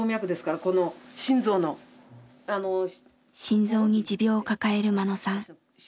心臓に持病を抱える眞野さん。